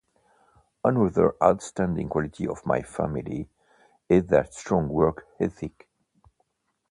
Another outstanding quality of my family is their strong work ethic.